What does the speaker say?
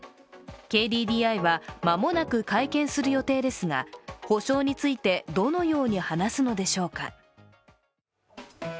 ＫＤＤＩは、間もなく会見する予定ですが、補償についてどのように話すのでしょうか。